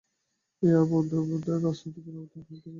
ইহা বৌদ্ধদের রাজনীতিক বিভ্রান্তির পুনরাবর্তন হইয়া দাঁড়াইবে।